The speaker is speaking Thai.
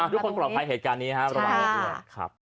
ทุกคนปลอดภัยเหตุการณ์นี้ครับ